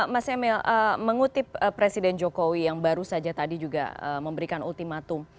mas emil mengutip presiden jokowi yang baru saja tadi juga memberikan ultimatum